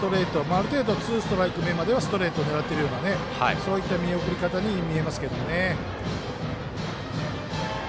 ある程度ツーストライク目までは狙っているような、そういった見送り方に見えますけど。